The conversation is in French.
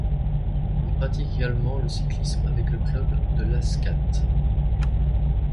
Il pratique également le cyclisme avec le club de l'Ascat.